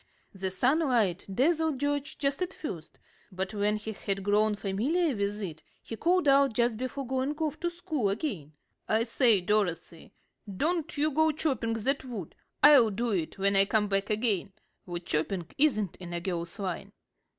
The sunlight dazzled George just at first, but when he had grown familiar with it, he called out just before going off to school again: "I say, Dorothy, don't you go chopping that wood. I'll do it when I come back again. Wood chopping isn't in a girl's line."